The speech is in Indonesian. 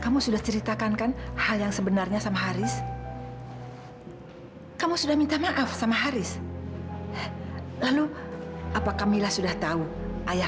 mila gak percaya